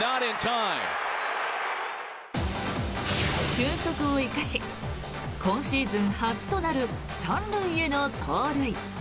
俊足を生かし今シーズン初となる３塁への盗塁。